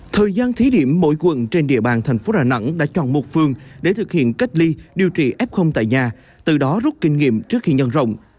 thời gian thí điểm mỗi quận trên địa bàn thành phố đà nẵng đã chọn một phương để thực hiện cách ly điều trị f tại nhà từ đó rút kinh nghiệm trước khi nhân rộng